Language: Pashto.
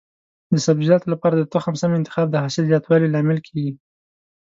د سبزیجاتو لپاره د تخم سم انتخاب د حاصل زیاتوالي لامل کېږي.